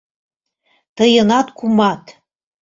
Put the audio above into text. Тыйынат кумат!